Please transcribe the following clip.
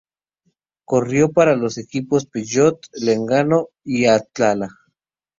Corrió para los equipos Peugeot, Legnano y Atala.